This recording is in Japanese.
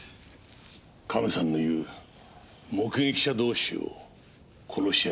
カメさんの言う目撃者同士を殺し合いさせる。